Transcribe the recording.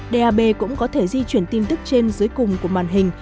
dab cũng có thể di chuyển tin tức trên dưới cùng của màn hình